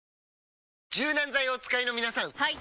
柔軟剤をお使いの皆さんはい！